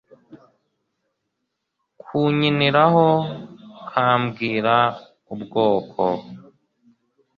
kunkiniraho kambwira ubwoko